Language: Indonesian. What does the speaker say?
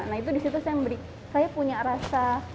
nah itu di situ saya memberi saya punya rasa